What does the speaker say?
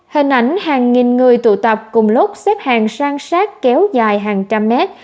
hình ảnh hàng nghìn người tụ tập cùng lúc xếp hàng sang sát kéo dài hàng trăm mét